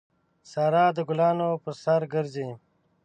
سارا د ګلانو پر سر ګرځي.